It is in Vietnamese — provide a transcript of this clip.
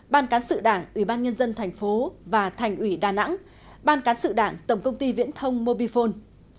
ban cán sự đảng ủy ban nhân dân thành phố và thành ủy đà nẵng ban cán sự đảng tổng công ty viễn thông mobifone